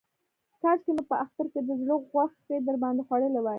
کاشکې مې په اختر کې د زړه غوښې در باندې خوړلې وای.